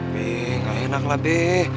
be gak enak lah be